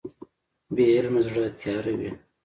بې علمه زړه تیاره وي.